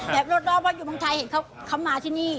รอบว่าอยู่เมืองไทยเห็นเขามาที่นี่